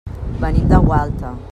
Venim de Gualta.